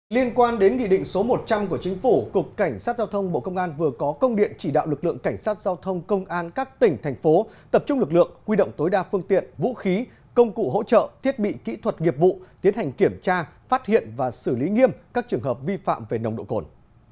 liên quan đến nghị định số một trăm linh của chính phủ cục cảnh sát giao thông bộ công an vừa có công điện chỉ đạo lực lượng cảnh sát giao thông công an các tỉnh thành phố tập trung lực lượng quy động tối đa phương tiện vũ khí công cụ hỗ trợ thiết bị kỹ thuật nghiệp vụ tiến hành kiểm tra phát hiện và xử lý nghiêm các trường hợp vi phạm về nồng độ cồn